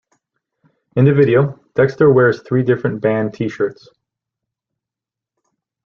In the video, Dexter wears three different band t-shirts.